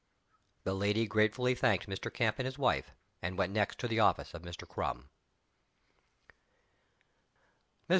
The lady gratefully thanked Mr. Camp and his wife, and went next to the office of Mr. Crum. Mr.